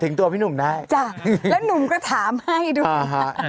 ถึงตัวพี่หนุ่มได้และหนุ่มก็ถามให้ด้วย